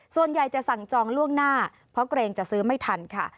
ส่วนใหญ่จะสั่งจองล่วงหน้าเพราะเกรงจะซื้อไม่ทันค่ะ